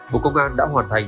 bộ công an đã hoàn thành